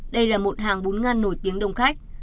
đây là một hàng bún ngan nổi tiếng đông khách